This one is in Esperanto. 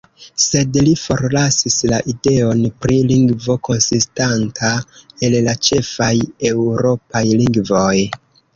Sed li forlasis la ideon pri lingvo konsistanta el la ĉefaj eŭropaj lingvoj.